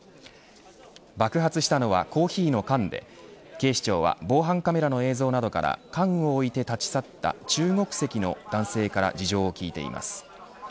爆発したのはコーヒーの缶で警視庁は防犯カメラの映像などから缶を置いて立ち去った中国籍の男性から事情を聴いています。